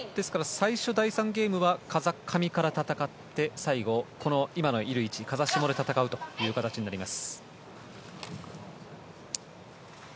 最初、第３ゲームは風上から戦って最後、今のいる位置風下で戦う形になります。